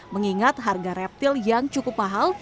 mengingat harga reptil yang cukup mahal